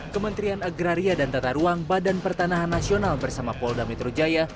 kementerian agraria dan tata ruang badan pertanahan nasional bersama polda metro jaya